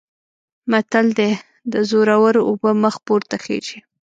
متل دی: د زورو اوبه مخ پورته خیژي.